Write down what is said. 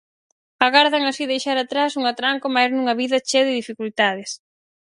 Agardan así deixar atrás un atranco máis nunha vida chea de dificultades.